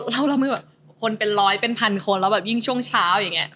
แล้วเรามีแบบคนเป็นร้อยเป็นพันคนแล้วแบบยิ่งช่วงเช้าอย่างนี้